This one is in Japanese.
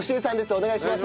お願いします。